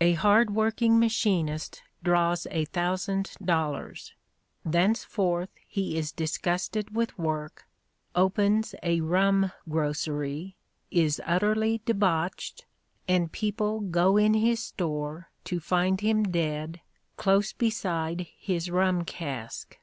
A hard working machinist draws a thousand dollars; thenceforth he is disgusted with work, opens a rum grocery, is utterly debauched, and people go in his store to find him dead, close beside his rum cask.